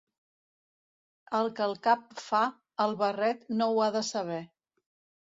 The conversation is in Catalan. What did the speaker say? El que el cap fa, el barret no ho ha de saber.